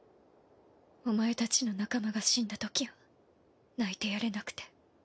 お前たちの仲間が死んだときは泣いてやれなくて。